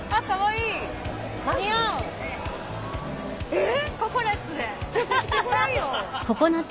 えっ？ちょっとしてごらんよ。